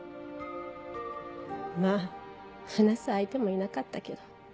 まぁ話す相手もいなかったけど。